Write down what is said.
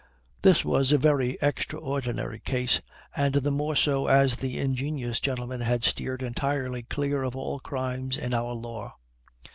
This was a very extraordinary case, and the more so as the ingenious gentleman had steered entirely clear of all crimes in our law.